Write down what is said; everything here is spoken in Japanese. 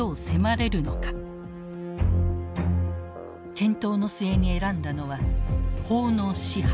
検討の末に選んだのは「法の支配」。